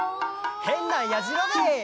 「へんなやじろべえ」